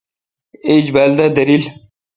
ایج بیل دا دریل۔